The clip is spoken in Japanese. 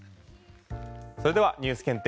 それではニュース検定